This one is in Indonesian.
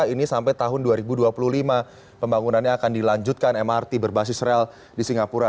ini sampai tahun dua ribu dua puluh lima pembangunannya akan dilanjutkan mrt berbasis rel di singapura